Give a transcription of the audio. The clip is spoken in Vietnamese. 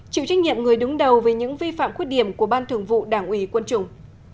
chịu trách nhiệm người đứng đầu về những vi phạm khuyết điểm của ban thường vụ đảng ủy quân chủng